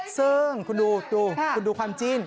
ซึ่งคุณดูคุณดูความจิ้น